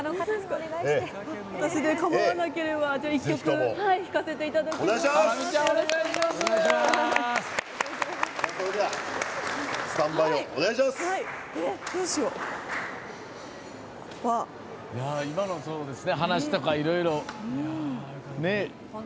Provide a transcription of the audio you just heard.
お願いしやす！